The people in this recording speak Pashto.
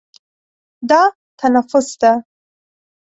دا تنفس ده.